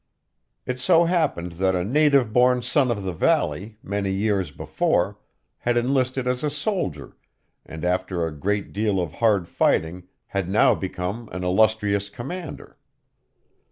It so happened that a native born son of the valley, many years before, had enlisted as a soldier, and, after a great deal of hard fighting, had now become an illustrious commander.